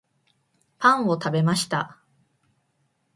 パンを食べました